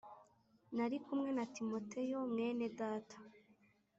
narikumwe na Timoteyo mwene Data